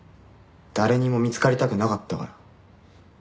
誰にも見つかりたくなかったから。